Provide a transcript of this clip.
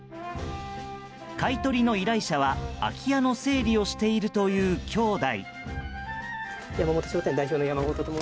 買い取りの依頼者は空き家の整理をしているという兄弟。